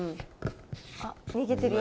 あっ逃げてるよ。